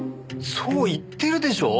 そう言ってるでしょう！